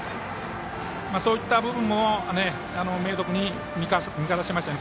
そういった部分も明徳に味方しましたよね。